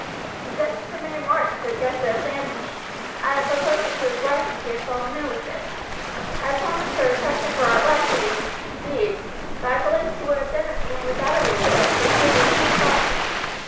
The death of the man Martin suggested a plan to me. I have proposed it to his wife, and she has fallen in with it. I have promised her a pension for her life should we succeed, but I believe she would have done it even without reward, for she is a true Scotchwoman.